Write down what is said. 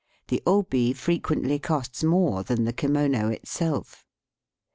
The obi fre quently costs more than the kimono itself.